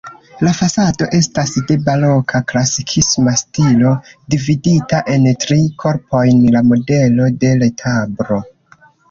La fasado estas de baroka-klasikisma stilo, dividita en tri korpojn la modelo de retablo.